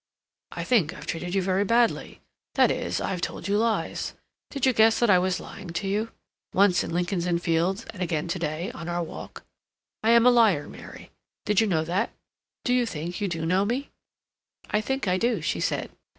"I think I've treated you very badly. That is, I've told you lies. Did you guess that I was lying to you? Once in Lincoln's Inn Fields and again to day on our walk. I am a liar, Mary. Did you know that? Do you think you do know me?" "I think I do," she said.